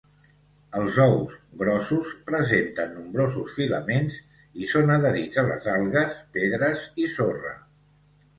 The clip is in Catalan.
Els ous, grossos, presenten nombrosos filaments i són adherits a les algues, pedres i sorra.